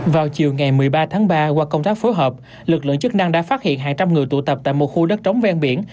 vào chiều ngày một mươi ba tháng ba qua công tác phối hợp lực lượng chức năng đã phát hiện hàng trăm người tụ tập tại một khu đất trống ven biển